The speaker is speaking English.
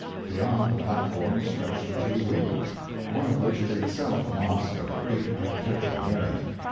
Beyond the platform stretch the two wings, one of which is itself a mosque of great architectural merit.